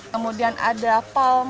kemudian ada palm